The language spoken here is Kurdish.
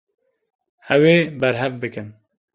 Ew ê berhev bikin.